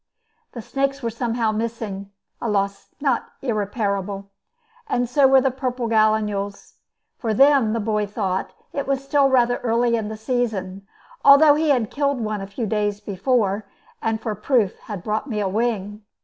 The snakes were somehow missing (a loss not irreparable), and so were the purple gallinules; for them, the boy thought, it was still rather early in the season, although he had killed one a few days before, and for proof had brought me a wing.